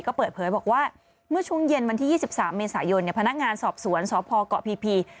ก็เปิดเผยบอกว่าเมื่อช่วงเย็นวันที่๒๓เมษายนพนักงานสอบสวนสพเกาะพี